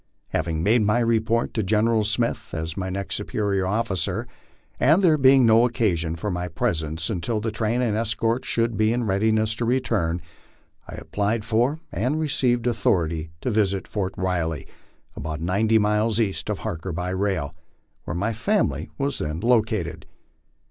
Having made my report to General Smith as my next superior officer, and there being no occasion for my presence until the train and escort should be in readiness to return, I applied for and received authority to visit Fort Riley, about ninety miles east of Harker by rail, where my family was then located.